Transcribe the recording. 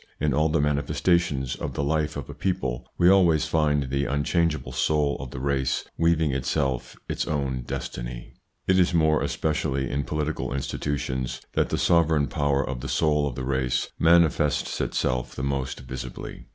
In all the manifestations of the life of a people, we always find the unchangeable soul of the race weaving itself its own destiny. It is more especially in political institutions that the sovereign power of the soul of the race manifests itself the most visibly.